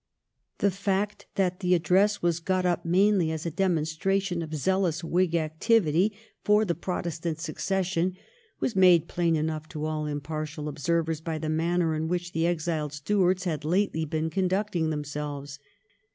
The fact that the Address was got up mainly as a demonstration of zealous Whig activity for the Protestant succession was made plain enough to all impartial observers by the manner in which the exiled Stuarts had lately been conducting themselves.